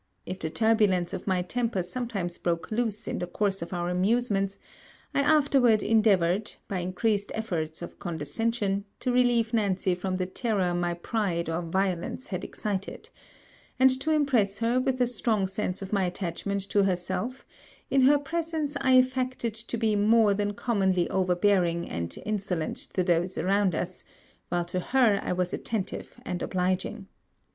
If the turbulence of my temper sometimes broke loose in the course of our amusements, I afterward endeavoured, by increased efforts of condescension, to relieve Nancy from the terror my pride or violence had excited; and, to impress her with a strong sense of my attachment to herself, in her presence I affected to be more than commonly overbearing and insolent to those around us, while to her I was attentive and obliging.